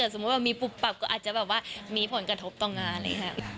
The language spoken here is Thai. สมมุติว่ามีปุ๊บปับก็อาจจะแบบว่ามีผลกระทบต่างานเลยค่ะ